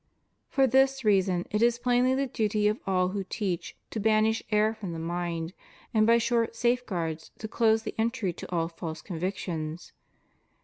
For this reason it is plainly the duty of all who teach to banish error from the mind, and by sure safeguards to close the entry to all false convictions.